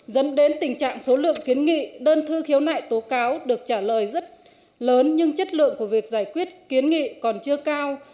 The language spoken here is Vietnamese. dẫn đến tình trạng số lượng kiến nghị đơn thư khiếu nại tố cáo được trả lời rất lớn nhưng chất lượng của việc giải quyết kiến nghị còn chưa cao